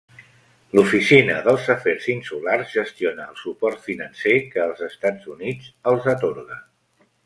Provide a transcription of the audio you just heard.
L'Oficina dels Afers Insulars gestiona el suport financer que els Estats Units els atorga.